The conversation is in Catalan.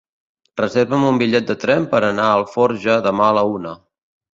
Reserva'm un bitllet de tren per anar a Alforja demà a la una.